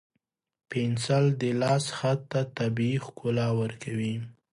پنسل د لاس خط ته طبیعي ښکلا ورکوي.